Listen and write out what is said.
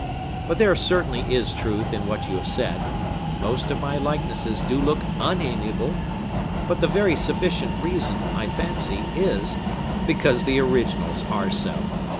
But there certainly is truth in what you have said. Most of my likenesses do look unamiable; but the very sufficient reason, I fancy, is, because the originals are so.